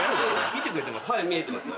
見てくれてます？